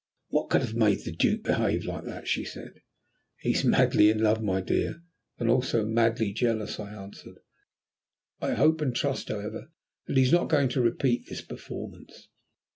"What could have made the Duke behave like that?" she said. "He is madly in love, my dear, and also madly jealous," I answered. "I hope and trust, however, that he is not going to repeat this performance."